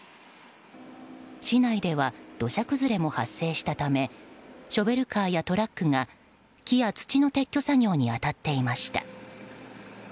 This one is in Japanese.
市内では土砂崩れも発生したためショベルカーやトラックが木や土の撤去作業に当たっていました。